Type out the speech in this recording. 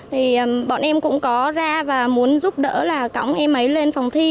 thì bọn em cũng có ra và muốn giúp đỡ là cõng em ấy lên phòng thi